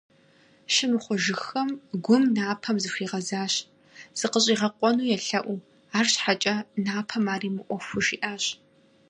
Щымыхъужыххэм, Гум Напэм зыхуигъэзащ, закъыщӀигъэкъуэну елъэӀуу, арщхьэкӀэ, Напэм ар и мыӀуэхуу жиӀащ.